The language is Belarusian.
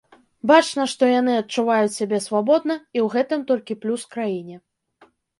Бачна, што яны адчуваюць сябе свабодна, і ў гэтым толькі плюс краіне.